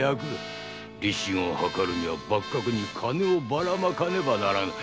立身を図るには幕閣に金をばらまかねばならぬ。